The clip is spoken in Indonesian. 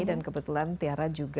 dan kebetulan tiara juga